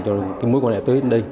cho mối quan hệ tới đến đây